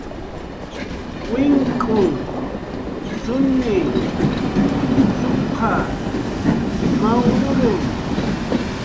wink'u, suni , suqa , mawruru